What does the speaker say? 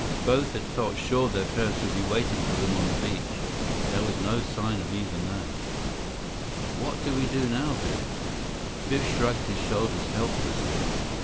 Both had felt sure their parents would be waiting for them on the beach. There was no sign of either man. "What do we do now, Biff?" Biff shrugged his shoulders helplessly.